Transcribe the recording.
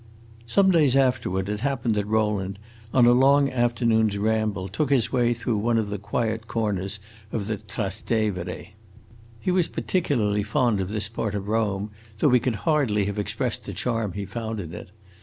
Some days afterward it happened that Rowland, on a long afternoon ramble, took his way through one of the quiet corners of the Trastevere. He was particularly fond of this part of Rome, though he could hardly have expressed the charm he found in it.